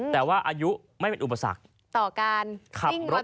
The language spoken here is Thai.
แต่ว่าอายุไม่เป็นอุปสรรค